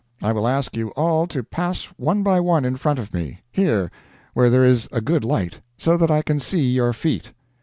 I will ask you all to pass one by one in front of me here, where there is a good light so that I can see your feet."